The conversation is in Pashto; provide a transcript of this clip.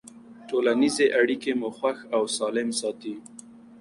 ټولنیزې اړیکې مو خوښ او سالم ساتي.